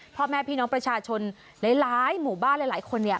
พ่อแม่พี่น้องประชาชนหลายหมู่บ้านหลายคนเนี่ย